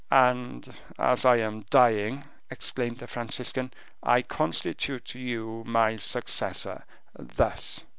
"And as I am dying," exclaimed the Franciscan, "I constitute you my successor... Thus."